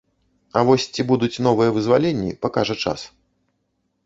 А вось ці будуць новыя вызваленні, пакажа час.